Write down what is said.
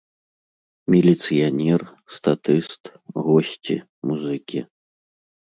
Міліцыянер, статыст, госці, музыкі.